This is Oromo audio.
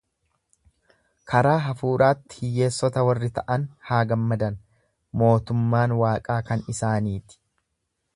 Karaa hafuuraatti hiyyeessota warri ta' an haa gammadan, mootummaan waaqaa kan isaanii ti.